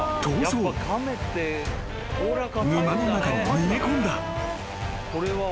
［沼の中に逃げ込んだ］